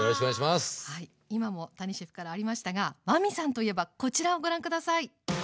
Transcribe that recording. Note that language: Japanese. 今も谷シェフからありましたが真海さんといえばこちらをご覧下さい。